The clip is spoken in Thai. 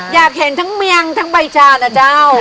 อยากเห็นทั้งเมียงทั้งใบชานะเจ้า